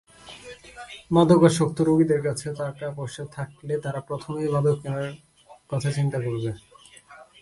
মাদকাসক্ত রোগীদের কাছে টাকাপয়সা থাকলে তারা প্রথমেই মাদক কেনার কথা চিন্তা করবে।